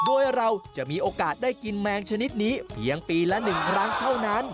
โดยเราจะมีโอกาสได้กินแมงชนิดนี้เพียงปีละ๑ครั้งเท่านั้น